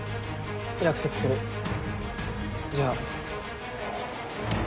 約束するじゃあ。